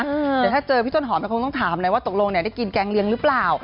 เดี๋ยวถ้าเจอพี่ต้นหอมมันคงต้องถามเลยว่าตกลงเนี่ยได้กินแกงเลี้ยงหรือเปล่า